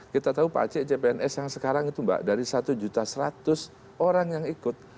kita tahu pak aceh cpns yang sekarang itu mbak dari satu seratus orang yang ikut